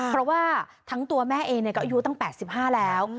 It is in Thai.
เพราะว่าทั้งตัวแม่เองเนี่ยก็อายุตั้งแปดสิบห้าแล้ว